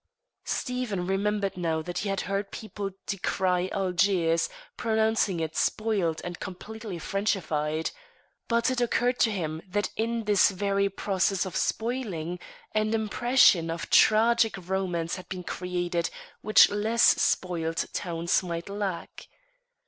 Stephen remembered now that he had heard people decry Algiers, pronouncing it spoiled and "completely Frenchified." But it occurred to him that in this very process of spoiling, an impression of tragic romance had been created which less "spoiled" towns might lack.